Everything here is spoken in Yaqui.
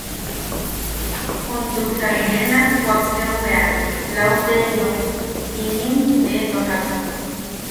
Juntuksan ne naaj kuakteo bea Lauteerio inim nee tojak.